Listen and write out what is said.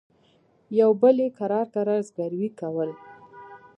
يوه بل يې کرار کرار زګيروي کول.